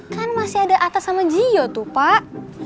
kan masih ada atta sama gio tuh pak